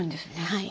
はい。